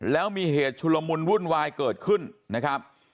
แล้วมีเหตุชุลมุนวุ่นวายเกิดขึ้นนะครับ